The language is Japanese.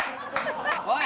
おい！